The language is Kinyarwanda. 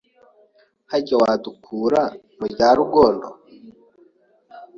Harya wadukura mu rya Rugondo